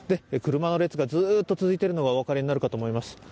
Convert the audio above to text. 車の列がずっと続いているのがお分かりになるかと思います。